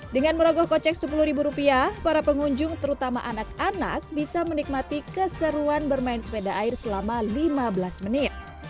dengan merogoh kocek sepuluh rupiah para pengunjung terutama anak anak bisa menikmati keseruan bermain sepeda air selama lima belas menit